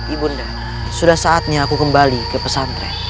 ibunda sudah saatnya aku kembali ke pesantren